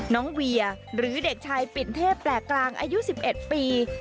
เวียหรือเด็กชายปิ่นเทพแปลกกลางอายุ๑๑ปี